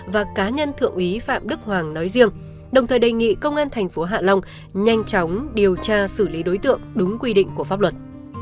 và cá nhân thượng úy phạm đức hoàng nói riêng đồng thời đề nghị công an thành phố hạ long nhanh chóng điều tra xử lý đối tượng đúng quy định của pháp luật